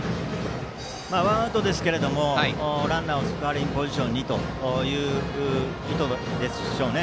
ワンアウトですがランナーをスコアリングポジションにという意図でしょうね。